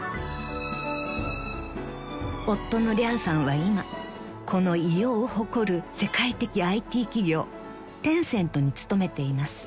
［夫のリャンさんは今この威容を誇る世界的ＩＴ企業Ｔｅｎｃｅｎｔに勤めています］